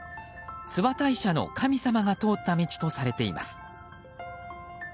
諏訪大社の神様が通った道とされています。